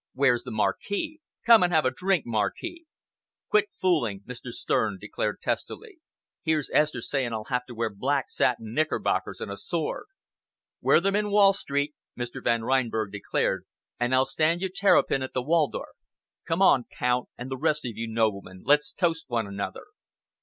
Where's the Marquis? Come and have a drink, Marquis!" "Quit fooling," Mr. Stern declared testily. "Here's Esther saying I'll have to wear black satin knickerbockers and a sword!" "Wear them in Wall Street," Mr. Van Reinberg declared, "and I'll stand you terrapin at the Waldorf. Come on, Count, and the rest of you noblemen. Let's toast one another."